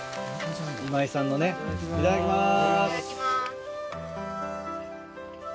今井さんのねいただきます。